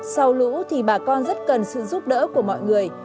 sau lũ thì bà con rất cần sự giúp đỡ của mọi người